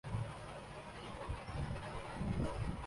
موسم میں تبدیلی کا ساتھ ہی پرندہ نقل مکانی کرنا شروع کرنا ہون